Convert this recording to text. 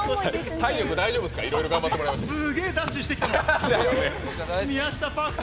体力、大丈夫ですか？